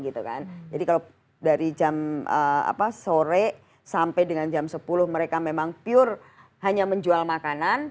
jadi kalau dari jam sore sampai dengan jam sepuluh mereka memang pure hanya menjual makanan